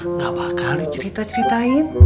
nggak bakal dicerita ceritain